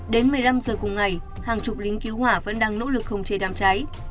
đến một mươi năm giờ cùng ngày hàng chục lính cứu hỏa vẫn đang nỗ lực khống chế đám cháy